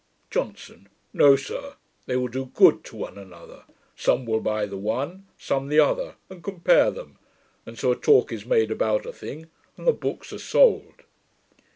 JOHNSON. 'No, sir. They will do good to one another. Some will buy the one, some the other, and compare them; and so a talk is made about a thing, and the books are sold.'